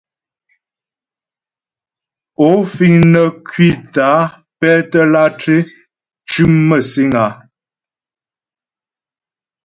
Ó fíŋ nə́ ŋkwítə́ á pɛ́tə́ látré ntʉ́mə məsìŋ áá ?